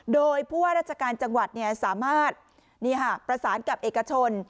โดยพวกราชการจังหวัดเนี่ยสามารถนี่ค่ะประสานกับเอกชน